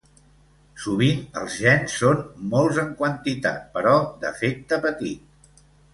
Sovint els gens són molts en quantitat però d'efecte petit.